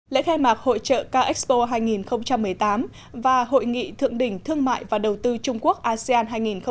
lễ khai mạc hội trợ k expo hai nghìn một mươi tám và hội nghị thượng đỉnh thương mại và đầu tư trung quốc asean hai nghìn một mươi chín